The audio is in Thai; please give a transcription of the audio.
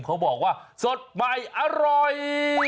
เขาบอกว่าสดใหม่อร่อย